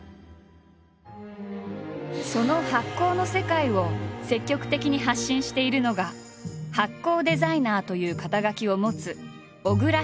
その発酵の世界を積極的に発信しているのが「発酵デザイナー」という肩書を持つ小倉ヒラク。